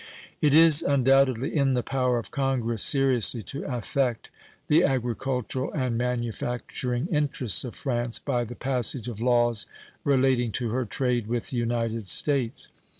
It is undoubtedly in the power of Congress seriously to affect the agricultural and manufacturing interests of France by the passage of laws relating to her trade with the United States.